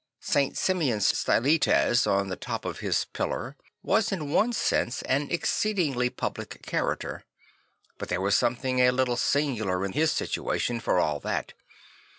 St. Simeon Stylites on the top of his pillar was in one sense an exceed ingly public character; but there was some thing a little singular in his situation for all that.